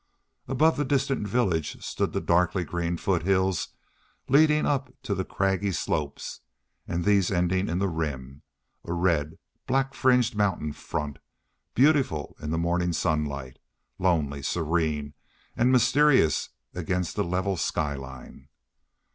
Above the distant village stood the darkly green foothills leading up to the craggy slopes, and these ending in the Rim, a red, black fringed mountain front, beautiful in the morning sunlight, lonely, serene, and mysterious against the level skyline.